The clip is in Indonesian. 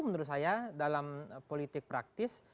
menurut saya dalam politik praktis